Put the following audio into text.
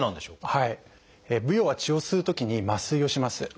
ブヨは血を吸うときに麻酔をします。